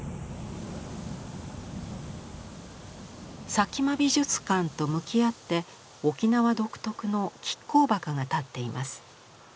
佐喜眞美術館と向き合って沖縄独特の亀甲墓が立っています。